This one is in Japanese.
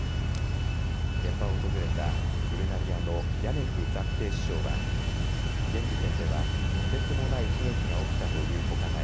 現場を訪れた、ブルガリアのヤネフ暫定首相は現時点では、とてつもない悲劇が起きたというほかない。